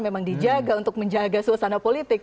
memang dijaga untuk menjaga suasana politik